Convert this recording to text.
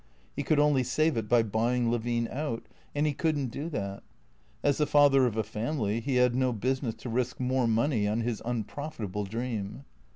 He could only save it by buying Levine out. And he couldn't do that. As the father of a family he had no busi ness to risk more money on his unprofitable dream.